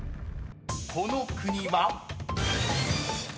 ［この国は］